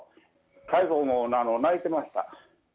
最後もう、泣いてました。